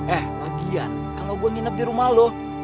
eh lagian kalo gua nginep dirumah lo